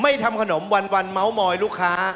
ไม่ทำขนมวันเม้าลูกค้า